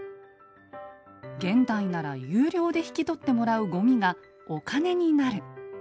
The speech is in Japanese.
現代なら有料で引き取ってもらうごみがお金になる。